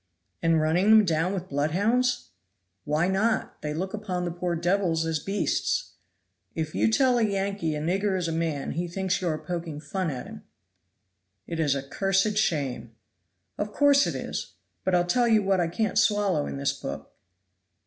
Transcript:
"And running them down with bloodhounds?" "Why not; they look upon the poor devils as beasts. If you tell a Yankee a nigger is a man he thinks you are poking fun at him." "It is a cursed shame!" "Of course it is! but I'll tell you what I can't swallow in this book.